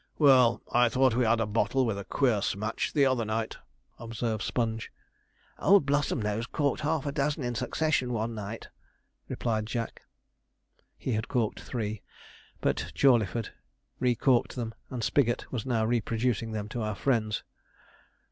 'Well, I thought we had a bottle with a queer smatch the other night,' observed Sponge. 'Old Blossomnose corked half a dozen in succession one night,' replied Jack. (He had corked three, but Jawleyford re corked them, and Spigot was now reproducing them to our friends.)